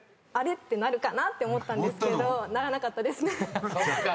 ってなるかなって思ったんですけどならなかったですね。